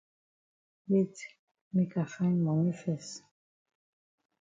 Wait make I find moni fes.